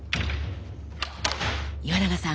岩永さん